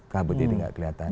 kabut jadi gak kelihatan